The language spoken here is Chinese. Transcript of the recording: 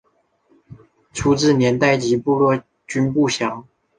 初置年代及部落均不详。